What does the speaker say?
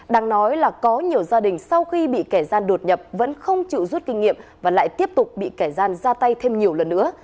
đang nói là có nhiều gia đình sau khi bị kẻ gian đột nhập vẫn không chịu rút kinh nghiệm và lại tiếp tục bị kẻ gian ra tay thêm nhiều lần nữa